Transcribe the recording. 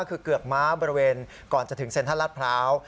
คือเกือกม้าบริเวณก่อนจะถึงเซ็นทรัลลาดพร้าว